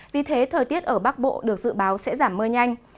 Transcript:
vì thế thời tiết ở bắc bộ được dự báo sẽ giảm mưa nhanh